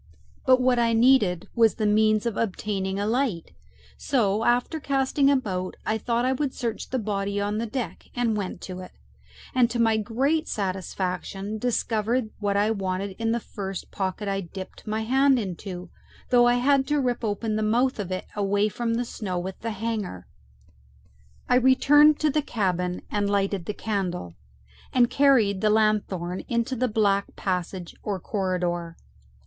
But what I needed was the means of obtaining a light, so, after casting about, I thought I would search the body on deck, and went to it, and to my great satisfaction discovered what I wanted in the first pocket I dipped my hand into, though I had to rip open the mouth of it away from the snow with the hanger. I returned to the cabin and lighted the candle, and carried the lanthorn into the black passage or corridor.